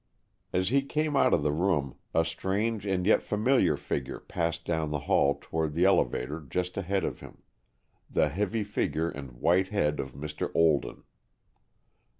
As he came out of the room, a strange and yet familiar figure passed down the hall toward the elevator just ahead of him, the heavy figure and white head of Mr. Olden.